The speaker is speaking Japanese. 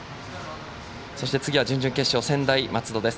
そして次は準々決勝専大松戸です。